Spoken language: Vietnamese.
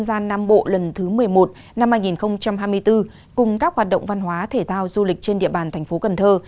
gian nam bộ lần thứ một mươi một năm hai nghìn hai mươi bốn cùng các hoạt động văn hóa thể thao du lịch trên địa bàn thành phố cần thơ